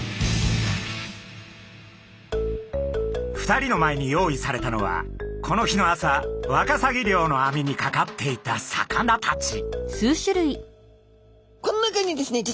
２人の前に用意されたのはこの日の朝ワカサギ漁のあみにかかっていた魚たち。